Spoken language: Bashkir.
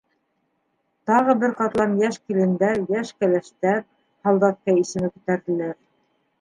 Тағы бер ҡатлам йәш килендәр, йәш кәләштәр, һалдатка исеме күтәрҙеләр.